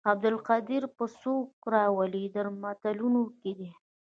عبدالقدیر به څوک راولي درملتون کې دی.